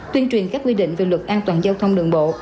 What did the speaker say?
tuyên truyền các quy định về luật an toàn giao thông đường bộ